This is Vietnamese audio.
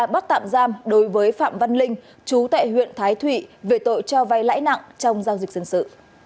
bắt tạm giam đối với phạm văn linh chú tại huyện thái thụy về tội cho vay lãi nặng trong giao dịch dân sự